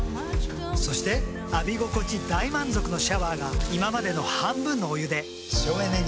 そして浴び心地大満足のシャワーが今までの半分のお湯で省エネに。